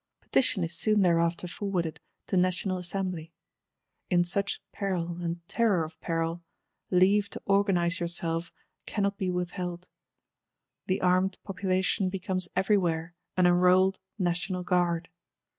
Petition is soon thereafter forwarded to National Assembly; in such peril and terror of peril, leave to organise yourself cannot be withheld: the armed population becomes everywhere an enrolled National Guard.